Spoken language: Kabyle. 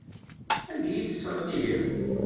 Ad iyi-tesseɣli.